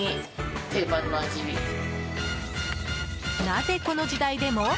なぜこの時代でも？